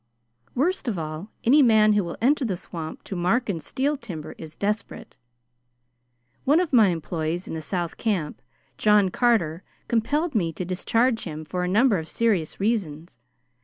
"Worst of all, any man who will enter the swamp to mark and steal timber is desperate. One of my employees at the south camp, John Carter, compelled me to discharge him for a number of serious reasons.